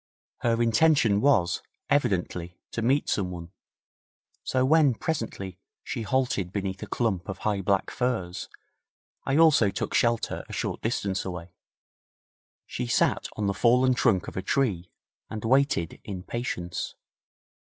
Her intention was evidently to meet someone, so when, presently, she halted beneath a clump of high black firs, I also took shelter a short distance away. She sat on the fallen trunk of a tree and waited in patience.